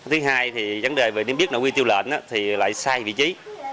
thứ hai vấn đề về niềm biết nội nguy tiêu lệnh lại sai vị trí